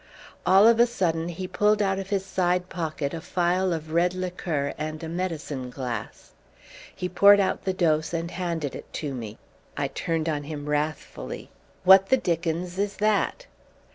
All of a sudden he pulled out of his side pocket a phial of red liqueur in a medicine glass. He poured out the dose and handed it to me. I turned on him wrathfully. "What the dickens is that?"